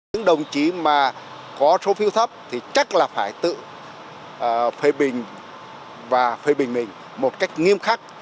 những đồng chí mà có số phiếu thấp thì chắc là phải tự phê bình và phê bình mình một cách nghiêm khắc